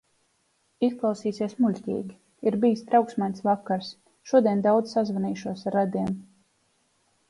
Izklausīsies muļķīgi. Ir bijis trauksmains vakars. Šodien daudz sazvanīšanos ar radiem.